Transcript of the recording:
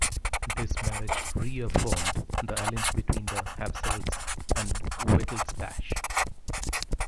This marriage reaffirmed the alliance between the Habsburgs and Wittelsbach.